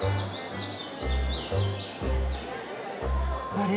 あれ？